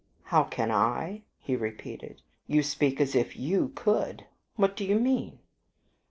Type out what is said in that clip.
"How can I?" he repeated. "You speak as if YOU could. What do you mean?"